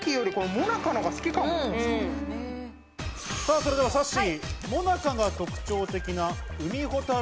それではさっしー、もなかが特徴的な海ほたる